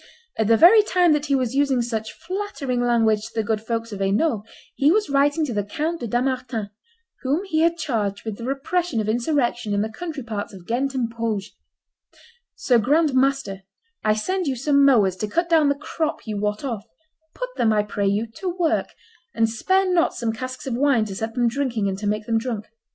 At the very time that he was using such flattering language to the good folks of Hainault, he was writing to the Count de Dampmartin, whom he had charged with the repression of insurrection in the country parts of Ghent and Bruges, "Sir Grand Master, I send you some mowers to cut down the crop you wot off; put them, I pray you, to work, and spare not some casks of wine to set them drinking, and to make them drunk.